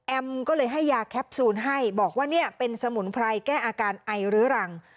ก็เลยให้ยาแคปซูลให้บอกว่าเนี่ยเป็นสมุนไพรแก้อาการไอเรื้อรัง